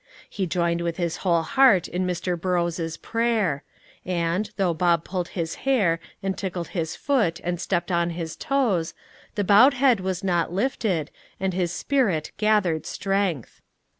He joined with his whole heart in Mr. Burrows's prayer; and, though Bob pulled his hair and tickled his foot and stepped on his toes, the bowed head was not lifted, and his spirit gathered strength.